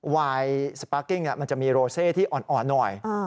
วายสปาร์กิ้งมันจะมีโรเซที่อ่อนหน่อย